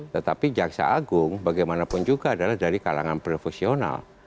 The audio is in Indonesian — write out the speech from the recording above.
tetapi jaksa agung bagaimanapun juga adalah dari kalangan profesional